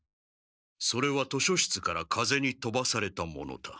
それは図書室から風にとばされたものだ。